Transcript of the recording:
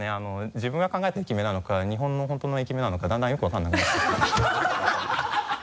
自分が考えた駅名なのか日本の本当の駅名なのかだんだんよく分からなくなって。